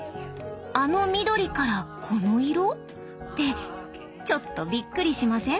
あの緑からこの色？ってちょっとびっくりしません？